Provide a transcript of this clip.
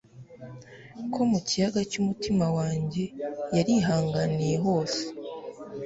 Ko mu kiyaga cyumutima wanjye yarihanganiye hose